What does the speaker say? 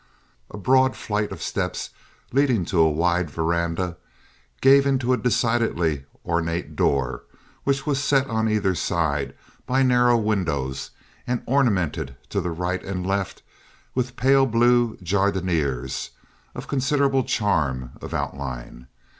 A broad flight of steps leading to a wide veranda gave into a decidedly ornate door, which was set on either side by narrow windows and ornamented to the right and left with pale blue jardinieres of considerable charm of outline.